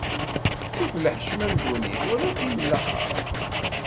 Ttif lḥecma n ddunit, wala tin n laxert.